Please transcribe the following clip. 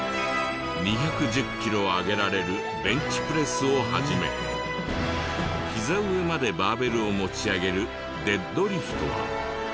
２１０キロ上げられるベンチプレスを始めひざ上までバーベルを持ち上げるデッドリフトは。